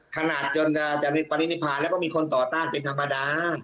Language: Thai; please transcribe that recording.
ขนาดจนจะมีปรินิพาแล้วก็มีคนต่อต้านเป็นธรรมดา